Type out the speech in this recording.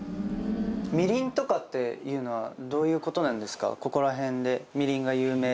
みりんとかっていうのはどういうことなんですか？